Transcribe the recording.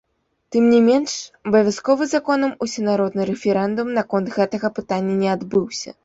Тым не менш, абавязковы законам усенародны рэферэндум наконт гэтага пытання не адбыўся.